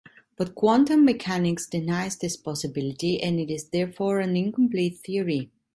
But quantum mechanics denies this possibility and it is therefore an incomplete theory.